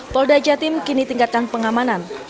polda jatim kini tingkatkan pengamanan